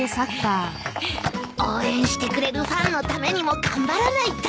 応援してくれるファンのためにも頑張らないと